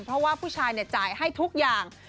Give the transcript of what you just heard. เพราะว่าผู้ชายจ่ายให้ทุกอย่าง